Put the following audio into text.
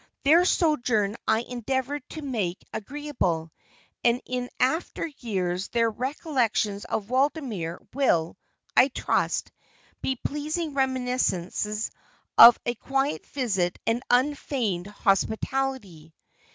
Their sojourn I endeavored to make agreeable, and in after years their recollections of Waldemere will, I trust, be pleasing reminiscences of a quiet visit and unfeigned hospitality.